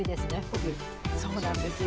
そうなんですよ。